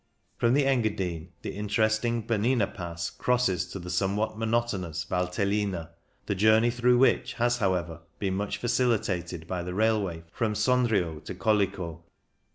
From the Engadine the interesting Bernina i8o CYCLING IN THE ALPS Pass crosses to the somewhat monotonous Valtellina, the journey through which has, however, been much facilitated by the rail way from Sondrio to Colico.